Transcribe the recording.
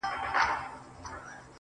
میاشته کېږي بې هویته، بې فرهنګ یم.